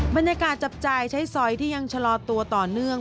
บรรยากาศจับจ่ายใช้สอยที่ยังชะลอตัวต่อเนื่อง